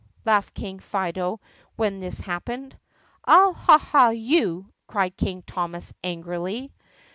laughed King Fido when this happened. "I 'll 'ha! ha!' you!" cried King Thomas angrily.